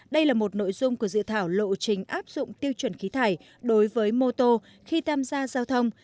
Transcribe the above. đây là một nội dung của dự thảo lộ trình áp dụng tiêu chuẩn khí thải đối với mô tô khi tham gia giao thông